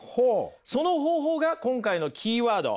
その方法が今回のキーワード